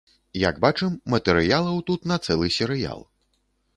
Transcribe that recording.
Як бачым, матэрыялаў тут на цэлы серыял.